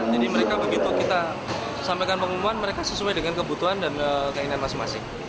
jadi mereka begitu kita sampaikan pengumuman mereka sesuai dengan kebutuhan dan keinginan masing masing